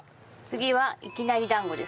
次はいきなり団子です。